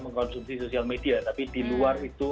mengkonsumsi sosial media tapi di luar itu